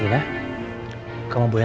terima kasih untuk semua penonton